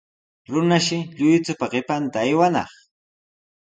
Runashi lluychupa qipanta aywanaq.